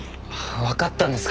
わかったんですか。